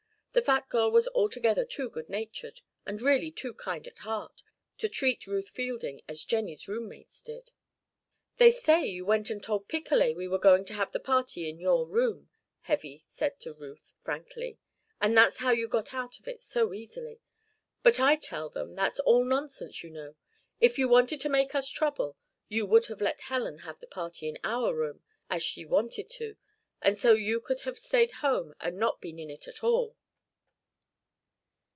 The fat girl was altogether too good natured and really too kind at heart to treat Ruth Fielding as Jennie's roommates did. "They say you went and told Picolet we were going to have the party in your room," Heavy said to Ruth, frankly, "and that's how you got out of it so easily. But I tell them that's all nonsense, you know. If you'd wanted to make us trouble, you would have let Helen have the party in our room, as she wanted to, and so you could have stayed home and not been in it at all."